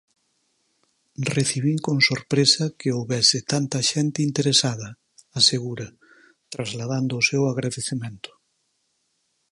"Recibín con sorpresa que houbese tanta xente interesada", asegura, trasladando o seu agradecemento.